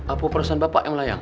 apa perasaan bapak yang melayang